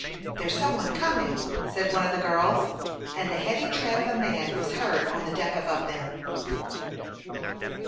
There's some one coming," said one of the girls ; and the heavy tread of a man was heard on the deck above them.